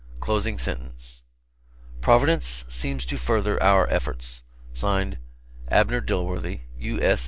Closing sentence: "Providence seems to further our efforts." (Signed,) "ABNER DILWORTHY, U.